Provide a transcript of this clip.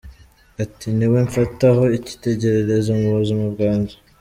Ati “Ni we mfataho icyitegererezo mu buzima bwanjye.